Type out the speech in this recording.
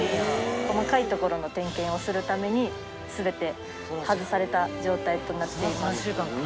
細かいところの点検をするために、すべて外された状態となっています。